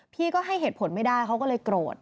พี่ก็ให้เหตุผลไม่ได้เขาก็เลยโกรธ